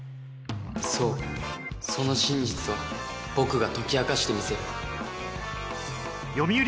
そうその真実は僕が解き明かしてみせる